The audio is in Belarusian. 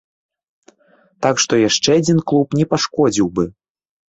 Так што яшчэ адзін клуб не пашкодзіў бы.